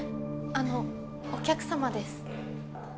あのお客様です